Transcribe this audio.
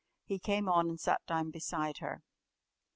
He came on and sat down beside her.